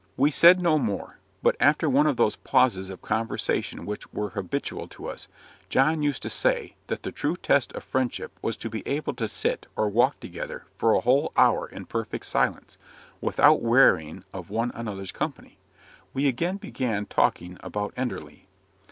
We said no more; but after one of those pauses of conversation which were habitual to us John used to say, that the true test of friendship was to be able to sit or walk together for a whole hour in perfect silence, without wearying of one another's company we again began talking about Enderley.